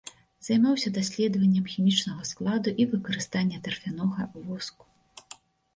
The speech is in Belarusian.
Займаўся даследаваннем хімічнага складу і выкарыстання тарфянога воску.